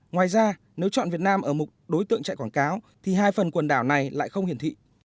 ngoài ra nếu chọn việt nam ở một đối tượng chạy quảng cáo thì hai phần quần đảo này lại không hiển thị